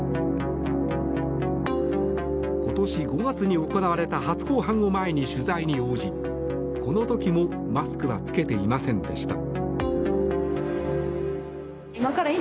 今年５月に行われた初公判を前に取材に応じこの時もマスクは着けていませんでした。